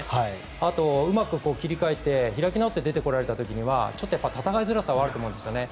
あと、うまく切り替えて開き直って出てこられた時にはちょっと戦いづらさはあると思うんですよね。